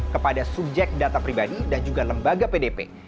kepada subjek data pribadi dan juga lembaga pdp